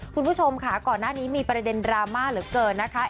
คุณผู้ชมค่ะก่อนหน้านี้มีประเด็นดราม่าเหลือเกินนะคะ